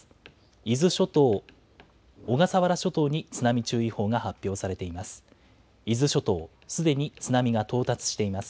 伊豆諸島、小笠原諸島に津波注意報が発表されています。